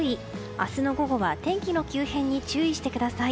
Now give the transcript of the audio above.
明日の午後は天気の急変に注意してください。